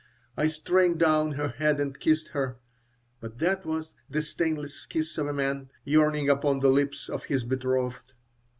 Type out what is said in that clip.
I strained down her head and kissed her, but that was the stainless kiss of a man yearning upon the lips of his betrothed.